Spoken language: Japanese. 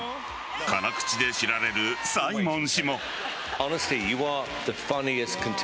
辛口で知られるサイモン氏も。